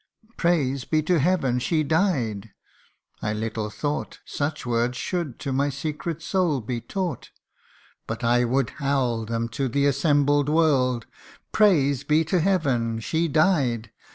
Praise be to Heaven, she died ! I little thought 7 O Such words should to my secret soul be taught ; But I would howl them to the assembled world : Praise be to Heaven, she died